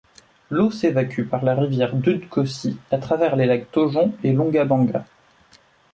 L'eau s'évacue par la rivière Dudh Kosi à travers les lacs Taujon et Longabanga.